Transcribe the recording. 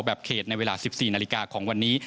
เขตในเวลา๑๔นาฬิกาของวันนี้